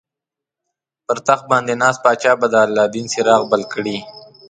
پر تخت باندې ناست پاچا به د الله دین څراغ بل کړي.